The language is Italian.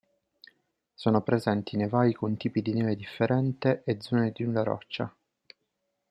Sono presenti nevai con tipi di neve differente e zone di nuda roccia.